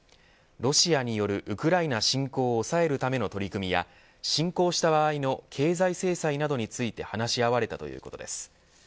ロシアによる国内の侵攻を抑えるための取り組みや侵攻した場合の経済制裁などについて話し合われたということです。